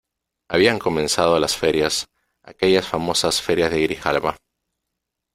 habían comenzado las ferias , aquellas famosas ferias de Grijalba ,